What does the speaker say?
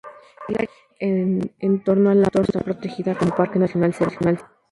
El área en torno al lago está protegida como Parque nacional Seván.